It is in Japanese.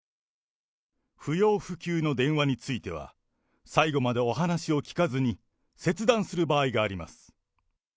不要不急の電話については、最後までお話を聞かずに切断する場合があります。